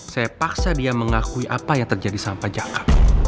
saya paksa dia mengakui apa yang terjadi sampai jaka